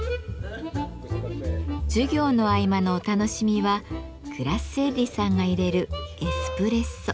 授業の合間のお楽しみはグラッセッリさんがいれるエスプレッソ。